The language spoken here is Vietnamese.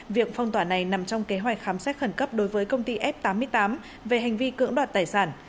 việc phong tỏa này nằm trong kế hoạch khám xét khẩn cấp đối với công ty f tám mươi tám về hành vi cưỡng đoạt tài sản